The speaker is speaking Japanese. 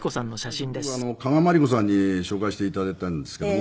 最初僕加賀まりこさんに紹介していただいたんですけども。